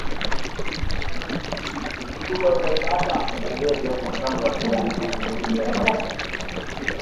palilia viazi vitamu katika miezi miwili ya kwanza